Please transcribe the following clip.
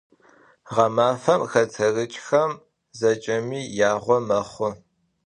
Ğemafem xeterıç'xem zeç'emi yağo mexhu.